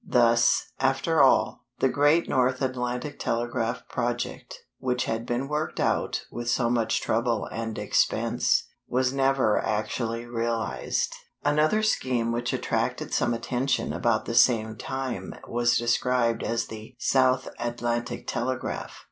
Thus, after all, the "Grand North Atlantic Telegraph" project, which had been worked out with so much trouble and expense, was never actually realized. Another scheme which attracted some attention about the same time was described as the "South Atlantic Telegraph."